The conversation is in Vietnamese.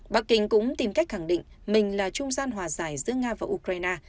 bắc kinh cũng tìm cách khẳng định mình là trung gian hòa giải giữa nga và ukraine